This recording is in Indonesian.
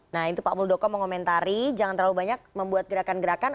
nah itu pak muldoko mau komentari jangan terlalu banyak buat gerakan gerakan